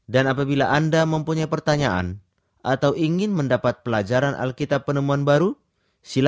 saudara semua itu telah pasti